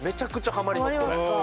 ハマりますか？